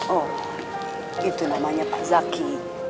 oh itu namanya pak zaki